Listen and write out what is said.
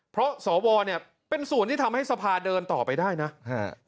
เพราะสวเนี่ยเป็นส่วนที่ทำให้สภาเดินต่อไปได้นะฮะ